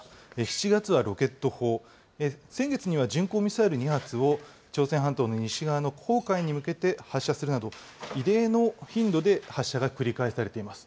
７月はロケット砲、先月には巡航ミサイル２発を朝鮮半島の西側の公海に向けて発射するなど、異例の頻度で発射が繰り返されています。